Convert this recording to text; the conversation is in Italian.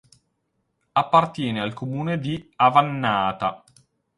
Appartiene al comune di Avannaata.